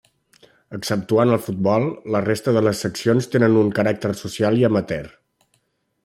Exceptuant el futbol, la resta de les seccions tenen un caràcter social i amateur.